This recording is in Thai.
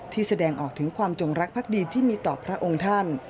แสดงออกถึงความจงรักภักดีที่มีต่อพระองค์ท่าน